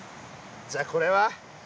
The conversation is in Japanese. じゃあこれは？